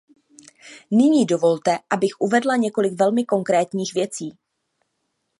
Nyní dovolte, abych uvedla několik velmi konkrétních věcí.